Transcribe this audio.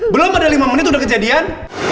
belum ada lima menit udah kejadian